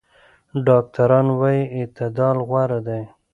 ډاکټران وايي اعتدال غوره دی.